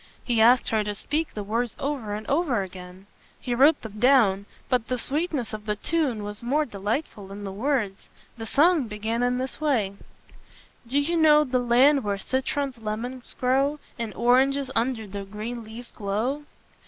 He asked her to speak the words over and over again. He wrote them down; but the sweetness of the tune was more delightful than the words. The song began in this way: "Do you know the land where citrons, lemons, grow, And oranges under the green leaves glow?"